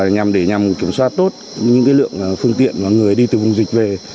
nhằm để nhằm kiểm soát tốt những lượng phương tiện và người đi từ vùng dịch về